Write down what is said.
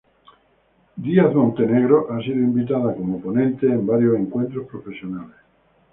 Díaz-Montenegro ha sido invitada como ponente en varios encuentros profesionales.